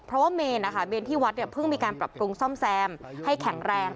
เพราะว่าเมนนะคะเมนที่วัดเนี่ยเพิ่งมีการปรับปรุงซ่อมแซมให้แข็งแรง